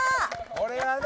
これはね！